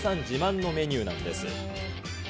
自慢のメニューなんです。